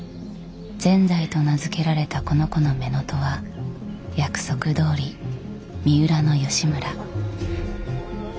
善哉と名付けられたこの子の乳母父は約束どおり三浦義村。